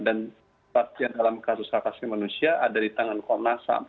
dan kepastian dalam kasus hafasi manusia ada di tangan komnas ham